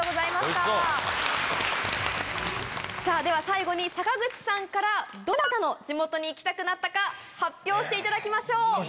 では最後に坂口さんからどなたの地元に行きたくなったか発表していただきましょう。